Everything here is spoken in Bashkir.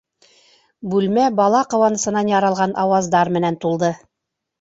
Бүлмә бала ҡыуанысынан яралған ауаздар менән тулды.